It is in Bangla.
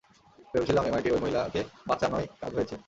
ভেবেছিলাম, এমআইটির ঐ মহিলাকে বাঁচানোয় কাজ হয়েছে।